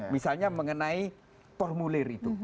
misalnya mengenai formulir itu